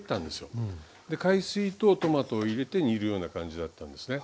海水とトマトを入れて煮るような感じだったんですね。